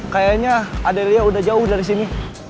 kayaknya adelia udah jauh dari sini